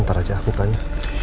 ntar aja aku tanya